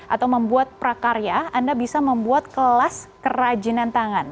atau membuat prakarya anda bisa membuat kelas kerajinan tangan